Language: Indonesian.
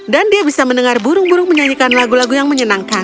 dan dia bisa mendengar burung burung menyanyikan lagu lagu yang menyenangkan